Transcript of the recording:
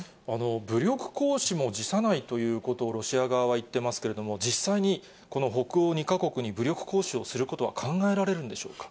武力行使も辞さないということをロシア側は言ってますけれども、実際に、この北欧２か国に武力行使をすることは考えられるんでしょうか。